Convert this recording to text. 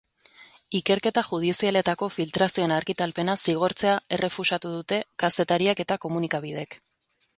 Ikerketa judizialetako filtrazioen argitalpena zigortzea errefusatu dute kazetariek eta komunikabideek.